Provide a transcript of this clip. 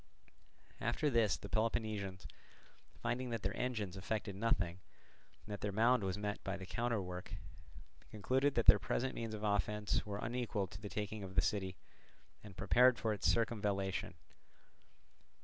After this the Peloponnesians, finding that their engines effected nothing, and that their mound was met by the counterwork, concluded that their present means of offence were unequal to the taking of the city, and prepared for its circumvallation.